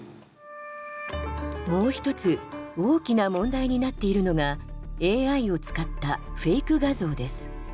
もう一つ大きな問題になっているのがＡＩを使ったフェイク画像です。